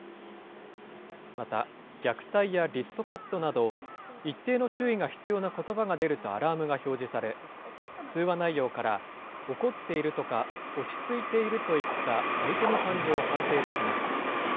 また、虐待やリストカットなど、一定の注意が必要なことばが出るとアラームが表示され、通話内容から怒っているとか落ち着いているといった相手の感情を判定できます。